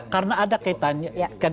karena ada kaitannya